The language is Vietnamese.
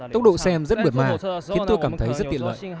tốc độ xem rất bượt màng khiến tôi cảm thấy rất tiện lợi